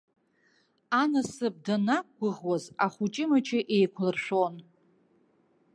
Анасыԥ данақәгәыӷуаз, ахәыҷ-мыҷы еиқәлыршәон.